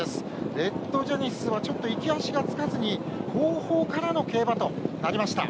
レッドジェネシスは行き脚がつかずに後方からの競馬となりました。